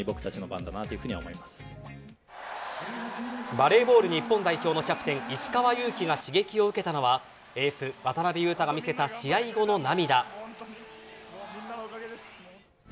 バレーボール日本代表のキャプテン・石川祐希が刺激を受けたのはエース・渡邊雄太が見せた試合後の涙。